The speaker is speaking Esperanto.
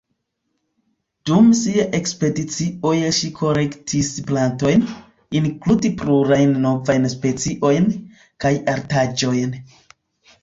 Dum sia ekspedicioj ŝi kolektis plantojn, inklude plurajn novajn speciojn, kaj artaĵojn.